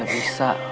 semakin gak bisa